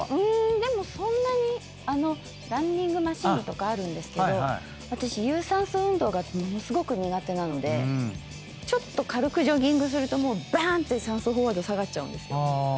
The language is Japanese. でもそんなにランニングマシンとかあるんですけど私有酸素運動がものすごく苦手なのでちょっと軽くジョギングするともうばーんって酸素飽和度下がっちゃうんですよ。